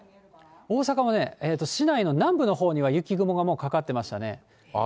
大阪もね、市内の南部のほうには雪雲がもうかかってましたね。